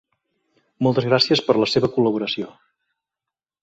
Moltes gràcies per la seva col·laboració.